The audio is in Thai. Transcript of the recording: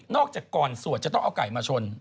จากก่อนสวดจะต้องเอาไก่มาชน